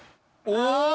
お！